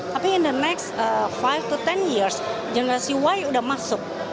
tapi dalam lima sepuluh tahun generasi y sudah masuk